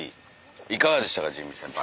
いかがでしたかジミー先輩。